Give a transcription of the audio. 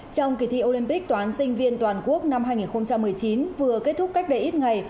trong kỳ thi olympic toán sinh viên toàn quốc năm hai nghìn một mươi chín vừa kết thúc cách đây ít ngày